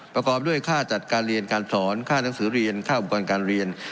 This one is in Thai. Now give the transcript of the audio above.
ประกอบด้วยค่าจัดการเรียนการสอนค่าหนังสือเรียนค่าอุปกรณ์การเรียน